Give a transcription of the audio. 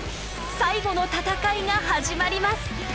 最後の戦いが始まります！